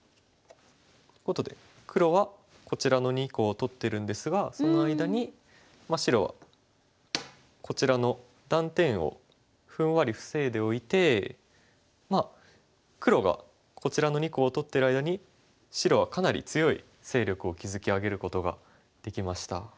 黒はこちらの２個を取ってるんですがその間に白はこちらの断点をふんわり防いでおいて黒がこちらの２個を取ってる間に白はかなり強い勢力を築き上げることができました。